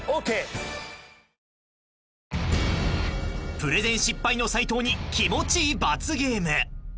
［プレゼン失敗の斉藤に気持ちいい罰ゲーム］